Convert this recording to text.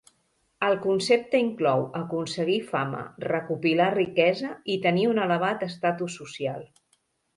El concepte inclou aconseguir fama, recopilar riquesa i tenir un elevat estatus social.